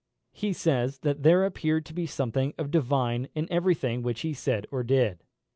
He says, that there appeared to be something of divine in every thing which he said or did.